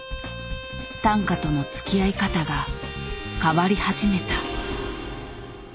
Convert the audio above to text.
短歌とのつきあい方が変わり始めた。